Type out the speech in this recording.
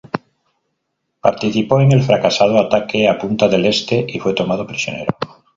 Participó en el fracasado ataque a Punta del Este y fue tomado prisionero.